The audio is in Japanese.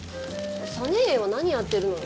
サネイエは何やってるの？